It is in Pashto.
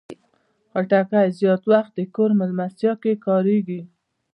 خټکی زیات وخت د کور مېلمستیا کې کارېږي.